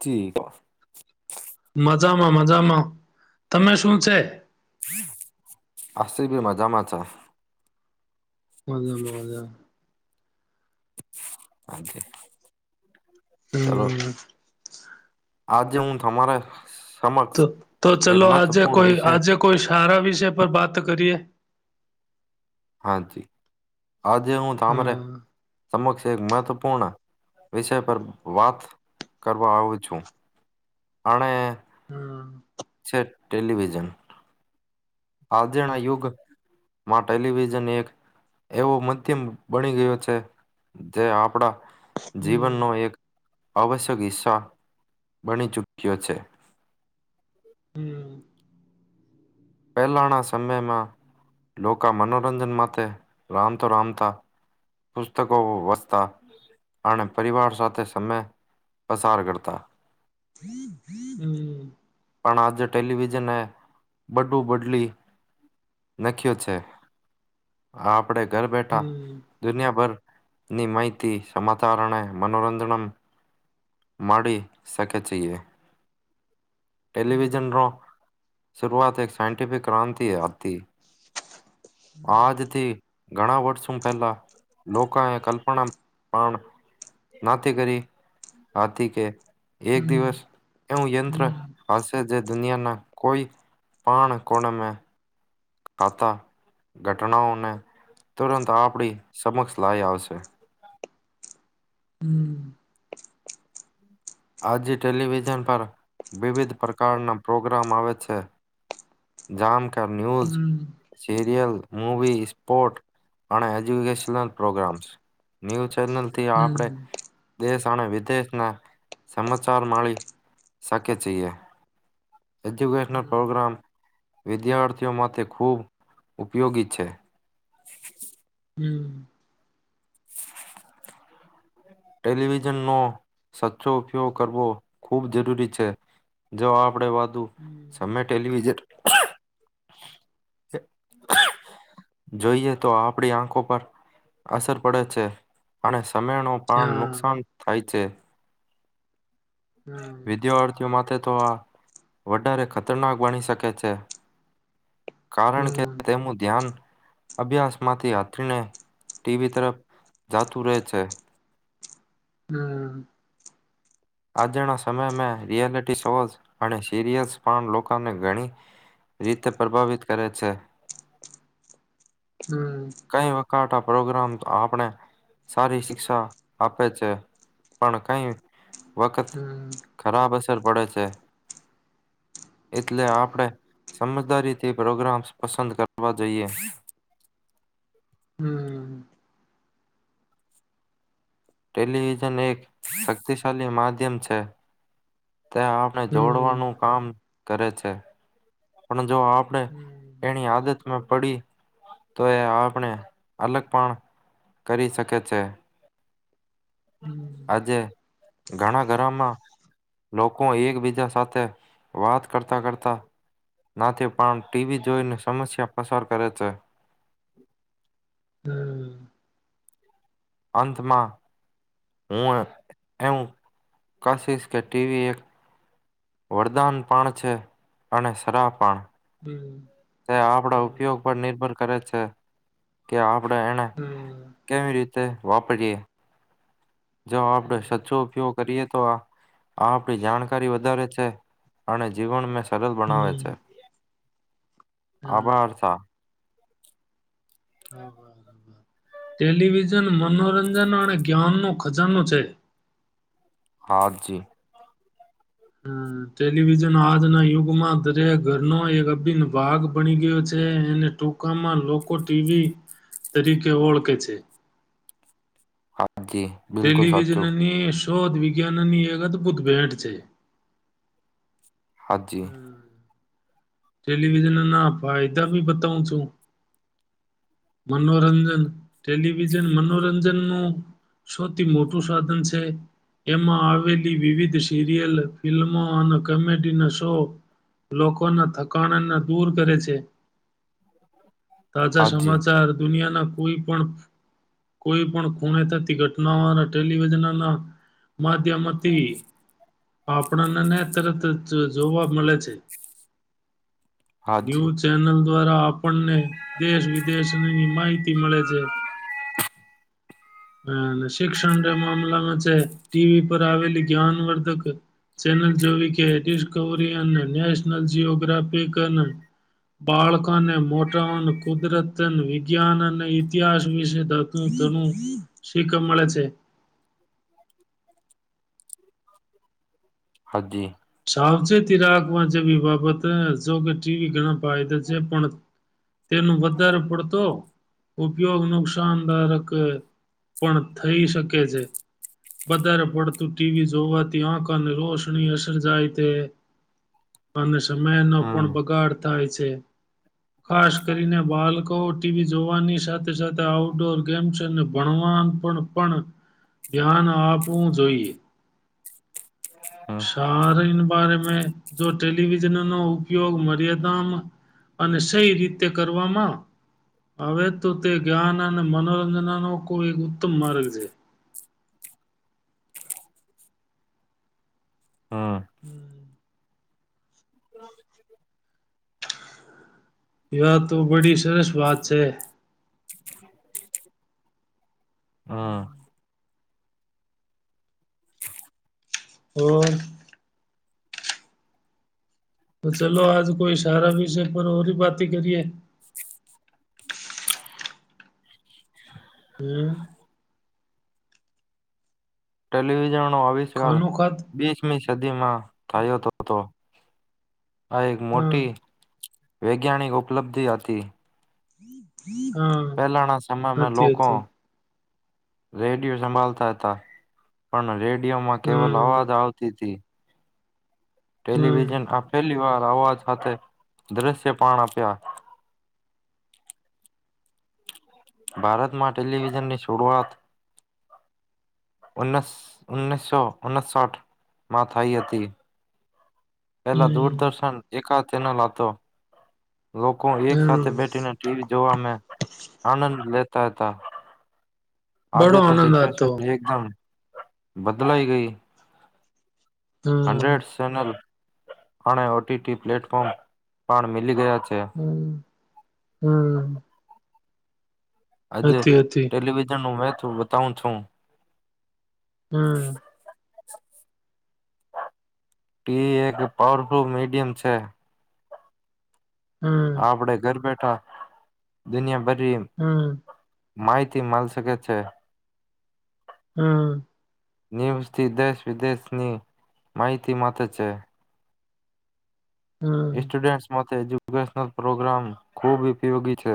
જી. મજામાં મજામાં તમે શું છે. આપડે ભી મજામાં છે. મજામાં મજામાં [unintelligible] ચાલો. હમ આજે હું તમારે. તો સમક્ષ તો એક ચલો આજે મહત્વપૂર્ણ કોઈ વિષય આજે કોઈ સારા વિષય પર વાત કરીએ. હા જી આજે હું તામરે હા સમક્ષ. એક મહત્વપૂર્ણ વિષય પર વાત કરવા આવું છું અને. હા છે. ટેલિવિઝન. આજ જણા યુગ. માં ટેલિવિઝન એક એવો મધ્યમ બની ગયો છે જે આપણા. જીવનનો હમ એક. આવશ્યક હિસ્સા બની ચૂક્યો છે. હમ્મ પહેલાના સમયમાં લોકો મનોરંજન માટે રામતો રામતા પુસ્તકો વચતા અને પરિવાર સાથે સમય પસાર કરતા. હમ્મ પણ આજે ટેલિવિઝનને બડું બદલી નાખ્યો છે આપ. આપડે ઘર બેઠા હમ દુનિયાભર. ની માહિતી સમાચારણે મનોરંજન મળી શકે છીએ. ટેેલીવીજન રો. શરૂઆત એક સાયન્ટિફિક ક્રાંતિ આતિ. આદતે. ઘણા વર્ષો પહેલા લોકો એ કલ્પના પણ નથી કરી હતી કે. એક હમ દિવસ એવું યંત્ર. હમ હમ હાસ્ય જે દુનિયાના કોઈ પણ કોણ મે. ખાતા ઘટનાઓને તુરંત આપણી સમક્ષ લાઇ આવશે. હમ્મ આજે ટેલિવિઝન પર વિવિધ પ્રકારના પ્રોગ્રામ આવે છે જામ કે. કર ન્યૂઝ સીરિયલ. મવી સ્પોર્ટ અને એજ્યુકેશન પ્રોગ્રામ્ ન્યુ. ચેનલ થી આપણેે હમ દેશ. ત વિદેશના. સમાચાર માળિ શકે છેે. એજ્યુકેશનલ હમ પ્રોગ્રામ. વિદ્યાર્થીઓ માટે ખૂબ ઉપયોગી છે. હમ્મ ટેલિવિઝનનો સાચ્ચો ઉપયોગ કરવો ખૂબ જરૂરી છે જો આપણેે વાંધું હમ સમય ટેલિવિઝન. જોઈએ તો આપડી આંખો પર અસર પડે છે અને. તમેણું પાન હા નુકસાન થાય છે. હા વિદ્યારર્થીઓ માટે તો આ. વધારે ખતરનાક બની શકે છે. કારણ કે હમ તેનું ધ્યાન. અભ્યાસમાંથી હાત્રીને ટીવી તરફ જાતું રહે છે. હમ્મ આજના સમય મેં રિયાલિટી શોઝ અને સિરિયલ્સ પણ લોકોને ઘણી રીતે પ્રભાવિત કરે છે. હમ કઈ વા કાટ આપ. પ્રોગ્રામ આપણે સારી શિક્ષા આપે છે પણ કઈ. વકત ખરાબ હશે. પડે છે એટલે આપણે સમજદારીથી પ્રોગ્રામ્ પસંદ કરવા જોઈએ. [inaudible] ટેલિવિઝન એક શક્તિશાળી માધ્યમ છે. ત્યા આપણે હમ હમ હમ જોડવાનું કામ. કરે છે પણ જો આપણે હમ એની આદતમાં પડી તો એ આપણે અલગ પણ કરી શકે છે. આજે ઘણા ઘરમાં લોકો એકબીજા સાથે વાત કરતાં કરતા નથી પણ ટીવી જોઈને સમસ્યા પસાર કરે છે. હમ્મ અંતમાં હું એવું કશશ કે ટીવી એક વરદાનપણ છે અને સરાહપણ [unintelligible] આપડા ઉપયોગ પર નિર્ભર કરે છે કે, આપણેે એને કેવી રીતે વાપરીએ જો આપણે સાચો ઉપયોગ કરીએ તો આ આપણી જાણકારી વધારે છે અને જીવન મેં સરળ બનાવે છે. આભારતા. હા બરાબર ટેલિવિઝન મનોરંજન અને જ્ઞાનનો ખજાનો છે. હા, જી. હમ્મ ટેલિવિઝન આજના યુગમાં દરેક ઘરનો એક અભિન્ન ભાગ બની ગયો છે અનેને ટૂંકામાં લોકો ટીવી તરીકે ઓળખે છે. હાજી બિલકુલ સાચું ટેલિવિઝનની શોધ વિજ્ઞાનની એક અદભૂત ભેટ છે. હાજી હમ્મ ટેલિવિઝનના ફાયદા ભી બતાવું છું. મનોરંજન ટેલિવિઝન મનોરંજનનું સૌથી મોટું સાધન છે એમાં આવેલી વિવિધ સિરિયલ ફિલ્મો અને કોમેડીના શો લોકોના કાણના દૂર કરે છે. તાજા હાજી સમાચાર દુનિયા કોઈ પણ કોઈ પણ ખૂણે થતી ઘટનાઓ અને ટેલિવિઝનનાં માધ્યમથી આપણનને તરતજ જોવા મલે છે. હાજી ન્યૂઝ ચેનલ દ્વારા આપણને દેશ વિદેશની માહિતી મળે છે. શિક્ષણ મામલામાં છે ટીવી પર આવેલી જ્ઞાનવર્ધક ચેનલ જોવી કે ડિસ્કવરી અને નેશનલ જીઓ. ટ્રાફિક અને બાળકોને મોટા અને કુદરત, વિજ્ઞાન અને ઇતિહાસ વિશે ધણું શીખવા મળે છે. હા, જી. સાવચેતી રાખ. જેવી બાબત જો કે ટીવી ઘણા ફાયદા છે, પણ તેનું વધારે પડતો ઉપયોગ નુકસાનદારક પણ થઈ શકે છે. વધારે પડતું ટીવી જો હોવાથી ત્યા આખાની રોશનીયશ જાય તે અને સમય નો પણ હમ બગાડ. થાય છે. ખાસ કરીને બાળકો ટીવી જોવાની સાથે સાથે આઉટડોર ગેમ્સને ભણવા પણ ધ્યાન આપવું જોઈએ. હમ સારીન બારમાં જો ટેલિવિઝન ન ઉપયોગ મર્યાદામાં અને સહી રીતે કરવામાં આવે તો તે જ્ઞાન અને મનોરંજનનો કોઈ એક ઉત્તમ માર્ગ છે. હમ હમ્મ [inaudible] ત્યાં તો બડી સરસ વાત છે. [inaudible] હા હોયે તો ચલો આજ કોઈ સારા વિષય પર ઓરી બાતી કરીએ. હમ્મ ટેલીવિઝન. નો અવિષ્કાર ખાનો ખાત બીસમી સદીમાં થયો હતો. હા એક મોટી. વૈજ્ઞાાનિક ઉપલબ્ધિ હતી. [inaudible] હા પહેલાના સમયમાં હતી લોકો. હતી રેડિયો સંભાળતા હતા પણ રડી યોમાં કેવલ હમ અવાજ આવતી હતી. હમ ટેલિવિઝન આપેલી વાત. અવાજ સાથે દ્રશ્ય પાણ આપ્યા. ભારતમાં ટેલિવિઝનની શરૂઆત. ઉણસ ઉણીસસો ઓણસાઠ માં થઈ હતી. પેલા હમ દૂરદર્શન એકાદ. ચેનલ હતો લોકો એક સાથે હમ બેઠીને ટીવી જોવા મે આનંદ લેતા. ત હતા. બડો આજે તો આનંદ સિચ્યુએશન આતો એકદમ. બદલાઈ ગઈ. હમ હંડ્રેડ સનલ. અને ઓટીટી પ્લેટફોર્મ પણ મીલી ગયા છે હમ્મ હમ્મ આજે ટેલિવિઝન નું મ તો બતાઉ છું. હમ્મ ટીવી એક પાવરફુલ મીડિયમ છે. હમ આપડે ઘર બેઠા. દુનિયા બધ. હમ્મ માહિતી મળ શકે છે. હમ્મ ન્યૂઝથી દેશ વિદેશની માહિતી મતે છે. હમ સ્ટુડેન્ટસ માતે એજીયું એજ્યુકેશનલ પ્રોગ્રામ ખૂબ ઉપયોગી છે.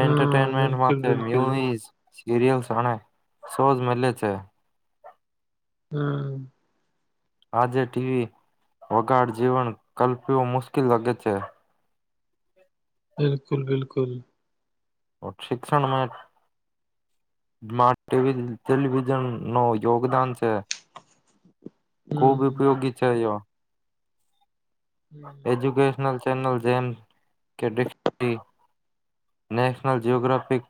હા એન્ટરટેઇનમેન્ટ બિલકુલ માટે બિલકુલ મ્યુઇઝ સિરિયલ્સ અને શોઝ મિલે છે. હમ્મ આજે ટીવી વગાડ જીવન કલ્પ્યું મુશ્કેલ લાગે છે. બિલકુલ બિલકુલ. શિક્ષણમાં ટેલી ટેલિવિઝન નું યોગદાન છે. ખૂબ હમ ઉપયોગી છે યો હમ એજ્યુકેશનલ છે. ચૅનલ જે કે ડીક્ષનારી નેશનલ જઓગ્રાફિક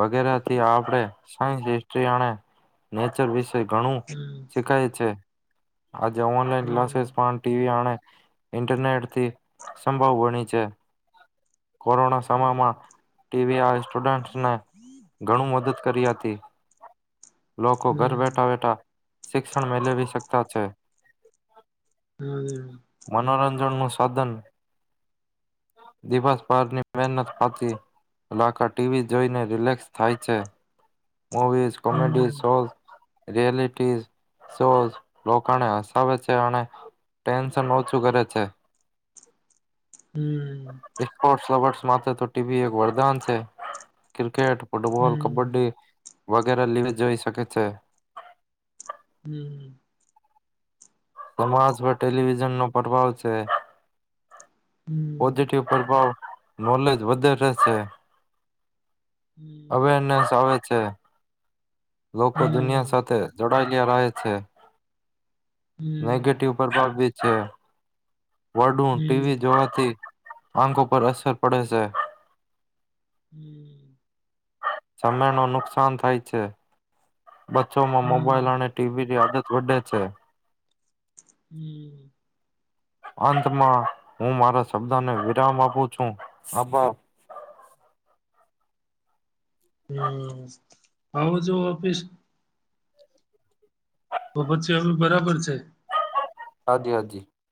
વગેરેથી આપણે સાયન્સ હિસ્ટ્રી અને નેચર વિશે. ઘણું હમ શીખાય છે. આજે ઓનલાઈન હમ ક્લાસસ પણ ટીવી એને ઇન્ટરનેટ થી સંભવ બણી છે. કોરોના સમયમાં ટીવી આ સ્ટુડને ઘણું મદદ. કરી હતી. લોકો હમ ઘર બેઠા બેઠા. શિક્ષણ મેળવી શકતા છે. હમ્મ [unintelligible] સાધન દિવસ પારની મહેનત પાતી આખા ટીવી જોઈને રિલેક્સ થાય છે. મૂવીઝ કોમેડી હમ શોઝ. રિયાલિટીઝ શોઝ લોકોને હસાવે છે અને ટેન્શન ઓછું કરે છે. હમ [unintelligible] તો ટીવી એક વરદાન છે કે ક્રિકેટ ફુટબોલ કબડ્ડી. વગેરે લીવી જોઈ શકે છે. હમ્મ સમાજ પર ટેલિવિઝનનો પ્રભાવ છે. હમ પોઝિટિવ પ્રભાવ. નોલેજ વધારે છે. અવેરનેસ આવે. છે. હમ લોકો દુનિયા હમ સાથે જોડ. [unintelligible] હમ નેગેટિવ પ્રભાવિત છે. વધુ ટીવી હમ જોવાથી આંખો પર અસર પડેશે હમ્મ સામાનનું નુકસાન થાય છે. બચ્ચોમાં મોબાઈલ હમ અને ટીવીની આદત જોડે છે. હમ્મ અંતમાં હું મારા શબ્દને વિરામ આપું છું આભાર હમ્મ આવજો ઓફિસ તો પછી અવે બરાબર છે. હાજી હાજી